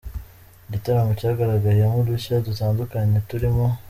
Igitaramo cyagaragayemo udushya dutandukanye turimo :.